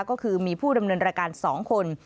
ก็คือมีผู้ดำเนินรายการ๒คน